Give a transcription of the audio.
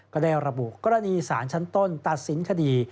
ก็ได้ระบุกรณีสารชั้นต้นตัดสินคดี